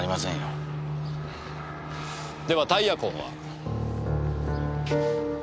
ではタイヤ痕は？